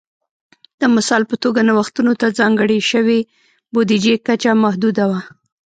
د مثال په توګه نوښتونو ته ځانګړې شوې بودیجې کچه محدوده وه